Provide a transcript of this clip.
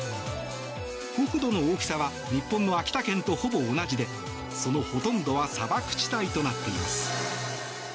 国土の大きさは日本の秋田県とほぼ同じでそのほとんどは砂漠地帯となっています。